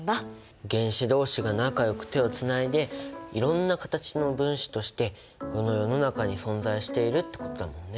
原子同士が仲よく手をつないでいろんな形の分子としてこの世の中に存在しているってことだもんね。